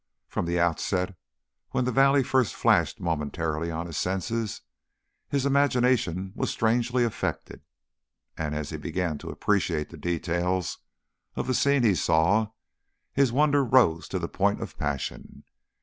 From the outset, when the valley first flashed momentarily on his senses, his imagination was strangely affected, and, as he began to appreciate the details of the scene he saw, his wonder rose to the point of a passion.